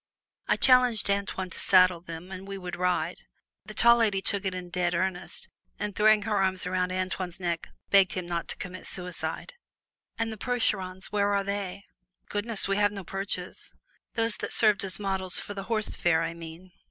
I challenged Antoine to saddle them and we would ride. The tall lady took it in dead earnest, and throwing her arms around Antoine's neck begged him not to commit suicide. "And the Percherons where are they?" "Goodness! we have no Perches." "Those that served as models for the 'Horse Fair,' I mean."